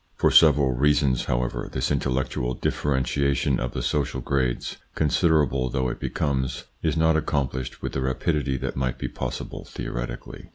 For several reasons, however, this intellectual differ 44 THE PSYCHOLOGY OF PEOPLES: entiation of the social grades, considerable though it becomes, is not accomplished with the rapidity that might be possible theoretically.